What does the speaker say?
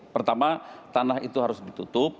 pertama tanah itu harus ditutup